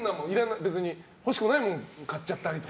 欲しくもないものを買っちゃったりとか。